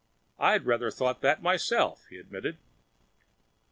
"I'd rather thought that myself," he admitted.